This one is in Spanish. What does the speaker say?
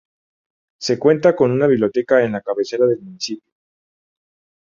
Se cuenta con una biblioteca en la cabecera del municipio.